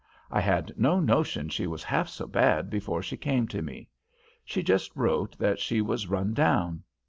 I had no notion she was half so bad before she came to me. She just wrote that she was run down.